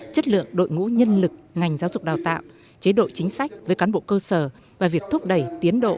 chất lượng đội ngũ nhân lực ngành giáo dục đào tạo chế độ chính sách với cán bộ cơ sở và việc thúc đẩy tiến độ